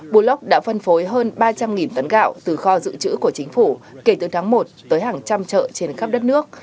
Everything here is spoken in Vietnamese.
bulog đã phân phối hơn ba trăm linh tấn gạo từ kho dự trữ của chính phủ kể từ tháng một tới hàng trăm chợ trên khắp đất nước